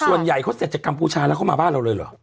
ส่วนใหญ่เขาเสร็จจากกัมพูชาแล้วเขามาบ้านเราเลยเหรอ